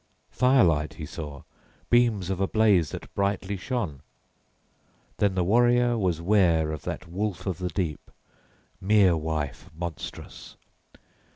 Firelight he saw, beams of a blaze that brightly shone. Then the warrior was ware of that wolf of the deep, mere wife monstrous.